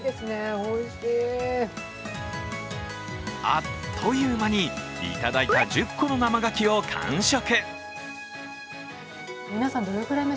あっという間にいただいた１０個の生牡蠣を完食。